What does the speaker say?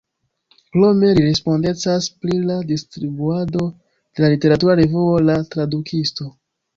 Krome li respondecas pri la distribuado de la literatura revuo La Tradukisto.